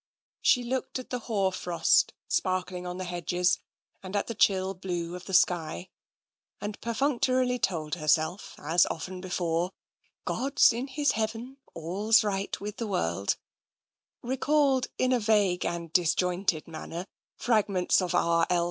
She looked at the hoar frost, sparkling on the hedges, and at the chill blue of the sky, and perftmc torily told herself, as often before, " God's in His Heaven — all's right with the world "; recalled, in a vague and disjointed manner, fragments of R. L.